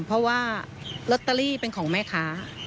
เพราะว่าลอตเตอรี่เป็นของแม่ค้า